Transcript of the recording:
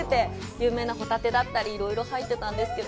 有名なホタテだったり、いろいろ入ってたんですけど。